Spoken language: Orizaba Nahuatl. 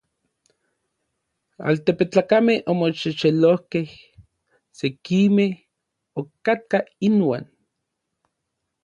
Altepetlakamej omoxexelojkej: sekimej okatkaj inuan.